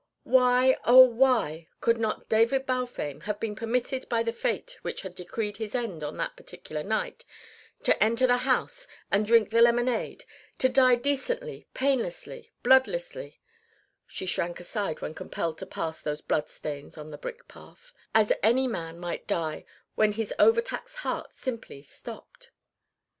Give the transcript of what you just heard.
Why, oh why, could not David Balfame have been permitted by the fate which had decreed his end on that particular night to enter the house and drink the lemonade; to die decently, painlessly, bloodlessly (she shrank aside when compelled to pass those blood stains on the brick path), as any man might die when his overtaxed heart simply stopped?